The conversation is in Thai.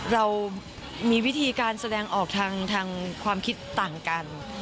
เรามีวิธีการแสดงออกทางความคิดต่างกัน